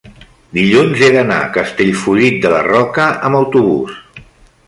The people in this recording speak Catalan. dilluns he d'anar a Castellfollit de la Roca amb autobús.